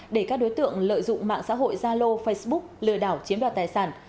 để các đối tượng lợi dụng mạng xã hội gia lô facebook lừa đảo chiếm đoạt tài sản